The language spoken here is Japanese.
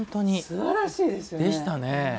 すばらしいですね。